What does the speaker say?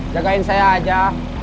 jagain saya aja